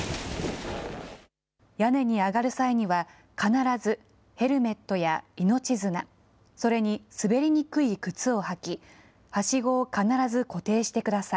屋根に上がる際には、必ずヘルメットや命綱、それに滑りにくい靴を履き、はしごを必ず固定してください。